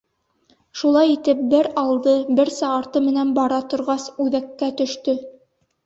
Шулай итеп, бер алды, берсә арты менән бара торғас, үҙәккә төштө.